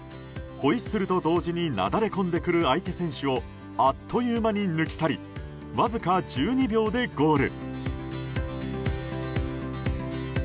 ホイッスルと同時になだれ込んでくる相手選手をあっという間に抜き去りわずか１２秒でゴール。